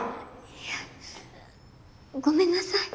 いやごめんなさい！